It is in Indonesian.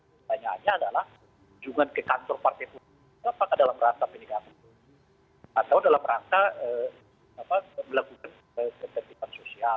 pertanyaannya adalah kunjungan ke kantor partai politik itu apakah dalam rasa peningkatan sosial atau dalam rasa melakukan ketentuan sosial